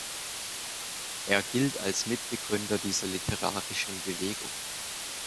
Er gilt als Mitbegründer dieser literarischen Bewegung.